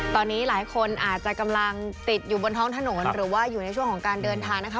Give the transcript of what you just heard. ตอนนี้หลายคนอาจจะกำลังติดอยู่บนท้องถนนหรือว่าอยู่ในช่วงของการเดินทางนะคะ